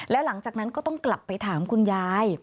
แล้วหลังจากนั้นก็ต้องกลับไปถามคุณยาย